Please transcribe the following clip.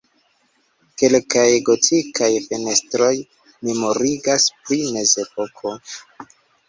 Kelkaj gotikaj fenestroj memorigas pri mezepoko.